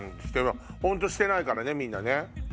本当してないからねみんなね。